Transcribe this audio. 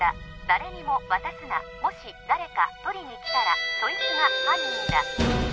☎誰にも渡すなもし誰か取りに来たらそいつが犯人だ